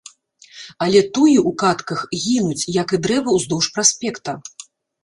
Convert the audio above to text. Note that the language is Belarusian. Але туі ў кадках гінуць, як і дрэвы ўздоўж праспекта.